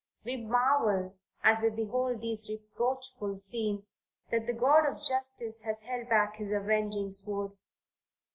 We marvel, as we behold these reproachful scenes, that the God of Justice has held back his avenging sword.